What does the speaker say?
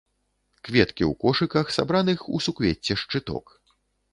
Кветкі ў кошыках, сабраных у суквецце шчыток.